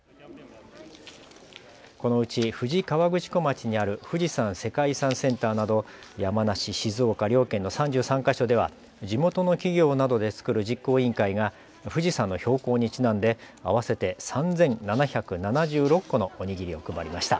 このうち富士河口湖町にある富士山世界遺産センターなど山梨静岡両県の３３か所では地元の企業などで作る実行委員会が富士山の標高にちなんで合わせて３７７６個のおにぎりを配りました。